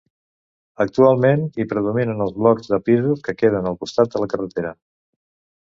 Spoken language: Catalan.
Actualment hi predominen els blocs de pisos que queden al costat de la carretera.